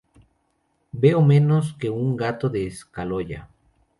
Veo menos que un gato de escayola